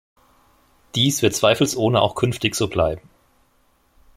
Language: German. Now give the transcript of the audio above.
Dies wird zweifelsohne auch künftig so bleiben.